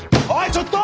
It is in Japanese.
ちょっと！